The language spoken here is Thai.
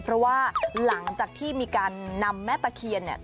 เพราะว่าหลังจากที่มีการนำแม่ตะเคียนเนี่ย